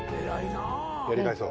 やり返そう